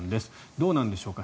どうでしょうか。